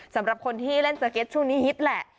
สำหรับคนที่เล่นสเก็ตช่วงนี้ฮิตแหละ